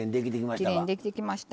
きれいにできてきました。